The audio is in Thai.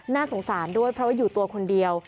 น่าสงสารด้วยเพราะว่าอยู่ตัวคนเดียว